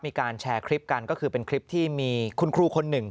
มีการแชร์คลิปกันก็คือเป็นคลิปที่มีคุณครูคนหนึ่ง